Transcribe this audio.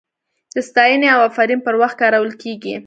د ستاینې او افرین پر وخت کارول کیږي.